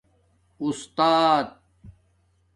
اُستات